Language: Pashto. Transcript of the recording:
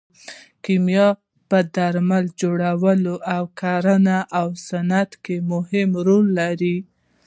کیمیا په درمل جوړولو او کرنه او صنعت کې مهم رول لري.